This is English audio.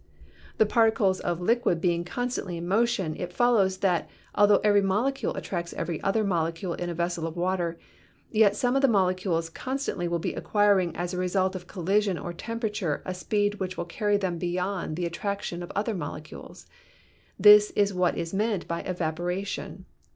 The particles of a liquid being constantly in motion, it follows that, altho every molecule attracts every other molecule in a vessel of water, yet some of the molecules constantly will be acquiring as a result of collision or tem perature a speed which will carry them beyond the attrac tion of the other molecules. This is what is meant by evaporation.